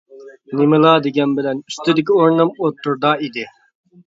نېمىلا دېگەن بىلەن ئۈستىدىكى ئورنۇم ئوتتۇرىدا ئىدى.